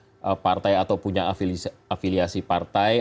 orang terbaik di partai atau punya afiliasi partai